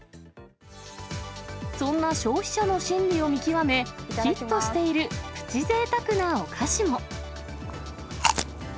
そんな消費者の心理を見極め、ヒットしているプチぜいたくなお菓子も。